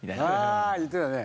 ああ言ってたね。